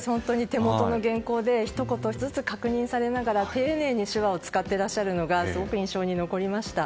手元の原稿でひと言ずつ確認されながら丁寧に手話を使っていらっしゃるのがすごく印象に残りました。